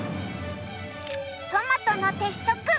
トマトの鉄則。